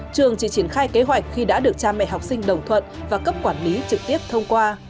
trường chỉ triển khai kế hoạch khi đã được cha mẹ học sinh đồng thuận và cấp quản lý trực tiếp thông qua